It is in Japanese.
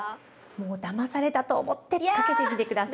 もうだまされたと思ってかけてみて下さい。